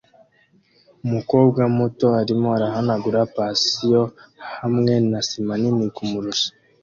Umukobwa muto arimo arahanagura patio hamwe na sima nini kumurusha